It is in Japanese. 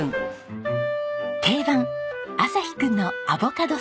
定番旭くんのアボカドサラダ。